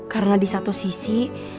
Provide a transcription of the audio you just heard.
karena di satu sisi